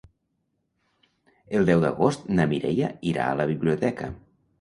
El deu d'agost na Mireia irà a la biblioteca.